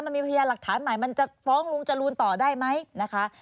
มันมีพยานหลักฐานใหม่มันจะฟ้องลุงจรูนต่อได้ไหมนะคะ